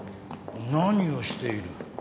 何をしている？